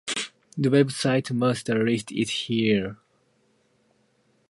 The website's master list is here.